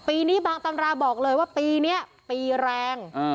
ปีนี้บางตำราบอกเลยว่าปีนี้ปีแรง